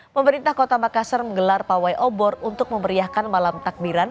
pemerintah kota makassar menggelar pawai obor untuk memeriahkan malam takbiran